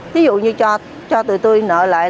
ví dụ như cho tụi tôi nợ lại